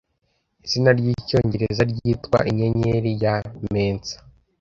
Izina ry'icyongereza ryitwa Inyenyeri ya Mensa